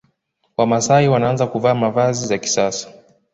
Wamasai wanaanza kuvaa mavazi za kisasa